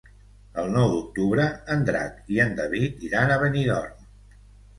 El nou d'octubre en Drac i en David iran a Benidorm.